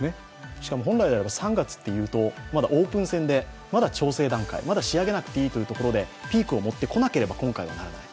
しかも本来であれば３月っていうとまだオープン戦でまだ調整段階、まだ仕上げなくていいというところで、今回はピークを持ってこなければならない。